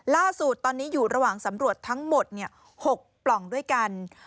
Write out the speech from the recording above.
ล่าสุดตอนนี้อยู่ระหว่างสำรวจทั้งหมด๖ปล่องด้วยกัน